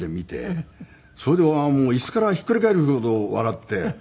それでもう椅子からひっくり返るほど笑って。